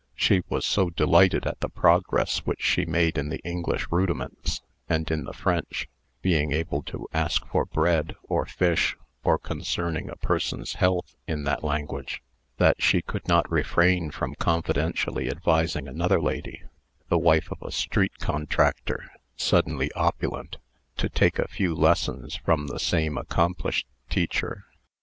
She was so delighted at the progress which she made in the English rudiments, and in the French (being able to ask for bread, or fish, or concerning a person's health, in that language), that she could not refrain from confidentially advising another lady (the wife of a street contractor, suddenly opulent) to take a few lessons from the same accomplished teacher.